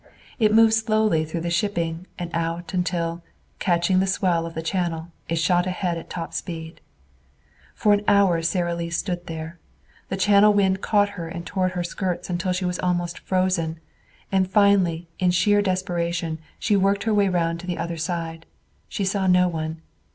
It moved slowly through the shipping and out until, catching the swell of the channel, it shot ahead at top speed. For an hour Sara Lee stood there. The channel wind caught her and tore at her skirts until she was almost frozen. And finally, in sheer desperation, she worked her way round to the other side. She saw no one.